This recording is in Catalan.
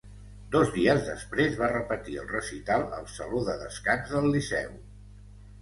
Dos dies després va repetir el recital al saló de descans del Liceu.